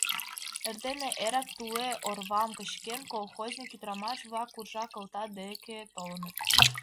Эрдене эрак, туле орвам кычкен, колхозник ӱдырамаш-влак уржа кылта деке толыныт.